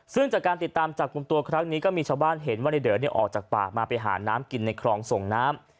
ซึ่งจากการติดตามจับกลุ่มตัวครั้งนี้ก็มีชาวบ้านเห็นว่าในเดอออกจากป่ามาไปหาน้ำกินในคลองส่งน้ำ